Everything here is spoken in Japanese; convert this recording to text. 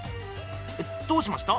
どうしました？